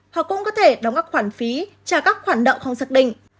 họ cũng có thể đóng các khoản phí trả các khoản nợ không xác định